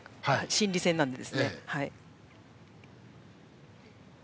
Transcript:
心理戦なので。